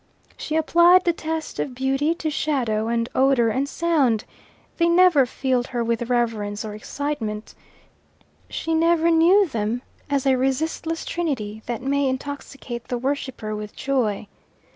She applied the test of beauty to shadow and odour and sound; they never filled her with reverence or excitement; she never knew them as a resistless trinity that may intoxicate the worshipper with joy.